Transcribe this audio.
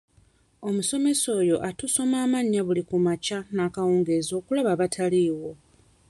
Omusomesa oyo atusoma amannya buli ku makya n'ekawungeezi okulaba abataliiwo.